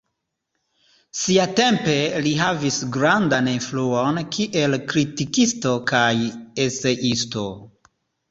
Siatempe li havis grandan influon kiel kritikisto kaj eseisto.